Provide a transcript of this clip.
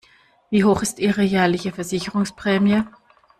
Wie hoch ist ihre jährliche Versicherungsprämie?